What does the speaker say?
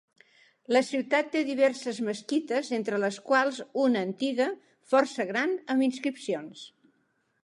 La ciutat té diverses mesquites entre les quals una antiga força gran amb inscripcions.